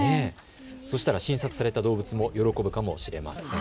そしたら診察された動物も喜ぶかもしれません。